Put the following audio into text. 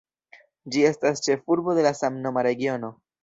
Ĝi estas ĉefurbo de la samnoma regiono.